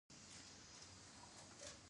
آیا پښتون د دوستۍ حق ادا نه کوي؟